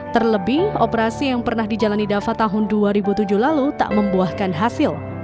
terlebih operasi yang pernah dijalani dava tahun dua ribu tujuh lalu tak membuahkan hasil